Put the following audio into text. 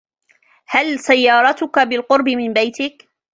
هل سيارتك بالقرب من بيتك ؟